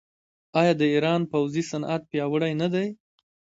آیا د ایران پوځي صنعت پیاوړی نه دی؟